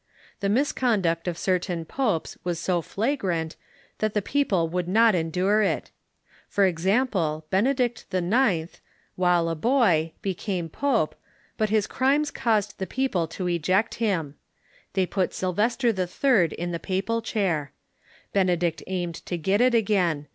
The misconduct of certain popes was so flagrant that the peo ple would not endure it. For example, Benedict IX., while a boy, became pope, but his crimes caused the people to eject him. They put Sjdvcster HI. in the papal chair, Benedict aimed to get it again.